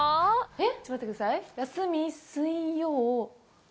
えっ。